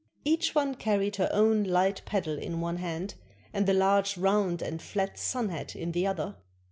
Each one carried her own light paddle in one hand, and a large round and flat sun hat in the other.